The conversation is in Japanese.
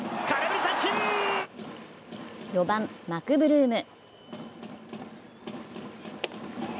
４番・マクブルーム。